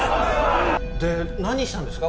で何したんですか？